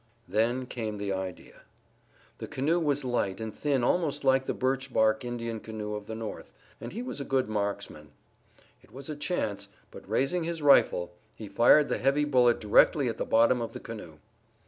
Then came the idea. The canoe was light and thin almost like the birch bark Indian canoe of the north, and he was a good marksman. It was a last chance, but raising his rifle he fired the heavy bullet directly at the bottom of the canoe.